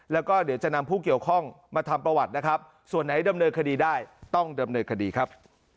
แล้วก็เดี๋ยวจะนำผู้เกี่ยวข้องมาทำประวัตินะครับส่วนไหนดำเนินคดีได้ต้องดำเนินคดีครับ